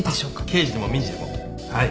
刑事でも民事でもはい。